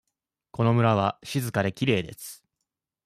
この村は静かできれいです。